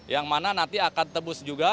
yang mana nanti akan tebus juga